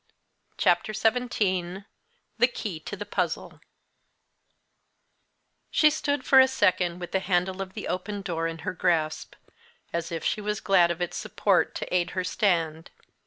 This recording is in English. CHAPTER XVII THE KEY TO THE PUZZLE She stood, for a second, with the handle of the open door in her grasp as if she was glad of its support to aid her stand.